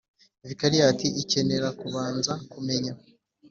Vikariyati ikenera kubanza kumenya